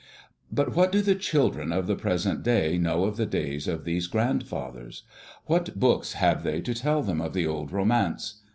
But what do the children of the present day know of the days of these grandfathers? What books have they to tell them of the old romance?